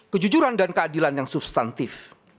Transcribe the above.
kejujuran dan keadilan yang substantif